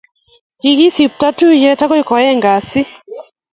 Kikisipto tuyet akoi koageneg kasi